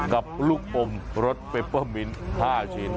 กับลูกอมรสเปเปอร์มิ้น๕ชิ้น